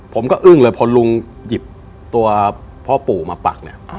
อึ้งเลยพอลุงหยิบตัวพ่อปู่มาปักเนี่ย